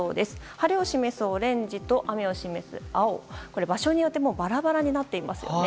晴を示すオレンジと、雨を示す青これ、場所によってバラバラになっていますよね。